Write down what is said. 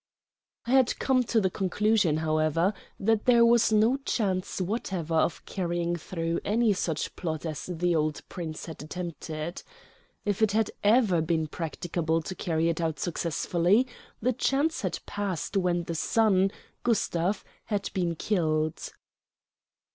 I had come to the conclusion, however, that there was no chance whatever of carrying through any such plot as the old Prince had attempted. If it had ever been practicable to carry it out successfully, the chance had passed when the son, Gustav, had been killed.